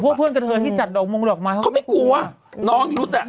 อย่างพวกเพื่อนกับเธอที่จัดโรงมงดอกไม้เขาไม่กลัวน้องรุธอ่ะ